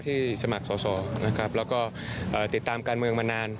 สมัครสอสอนะครับแล้วก็ติดตามการเมืองมานาน